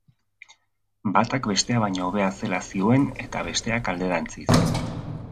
Batak bestea baino hobea zela zihoen eta besteak alderantziz.